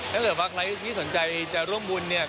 ถ้าเกิดว่าใครที่สนใจจะร่วมบุญเนี่ย